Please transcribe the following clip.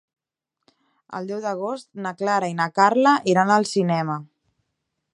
El deu d'agost na Clara i na Carla iran al cinema.